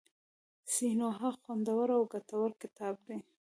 سینوهه خوندور او ګټور کتاب دی.